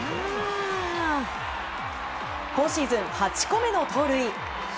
今シーズン８個目の盗塁。